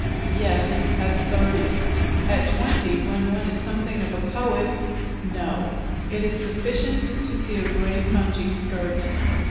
Yes; at thirty. At twenty, when one is something of a poet No: it is sufficient to see a grey pongee skirt!